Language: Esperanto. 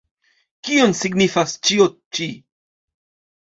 Kion signifas ĉio ĉi?